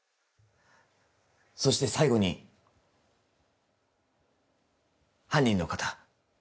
そして最後に犯人の方